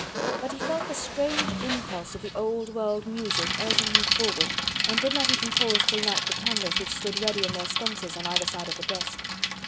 But he felt the strange impulse of the old world music urging him forward, and did not even pause to light the candles which stood ready in their sconces on either side of the desk.